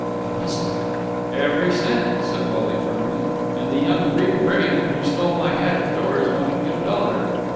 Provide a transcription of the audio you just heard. "You mustn't!" "Every cent!" said Wally firmly. "And the young Greek brigand who stole my hat at the door is going to get a dollar!